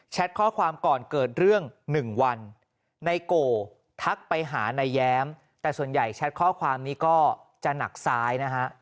ข้อความก่อนเกิดเรื่อง๑วันนายโกทักไปหานายแย้มแต่ส่วนใหญ่แชทข้อความนี้ก็จะหนักซ้ายนะฮะ